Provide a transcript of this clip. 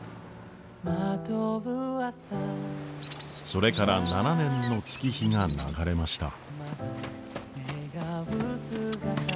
それから７年の月日が流れました。